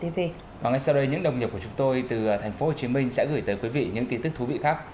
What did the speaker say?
ngay sau đây những đồng nghiệp của chúng tôi từ tp hcm sẽ gửi tới quý vị những tin tức thú vị khác